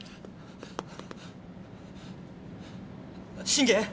信玄？